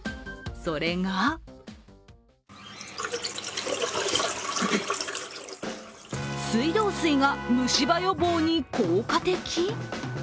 それが水道水が虫歯予防に効果的？